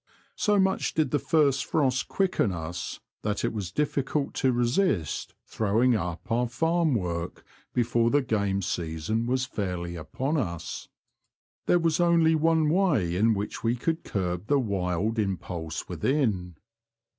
So much did the first frosts quicken us that it was dfficult to resist throwing up our farm work before the game season was fairly upon us. There was only one way in which we could curb the wild impulse within.